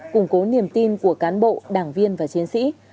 củng cố niềm tin của cán bộ đảng viên và chiến sĩ